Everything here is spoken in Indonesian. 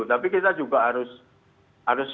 tapi kita juga harus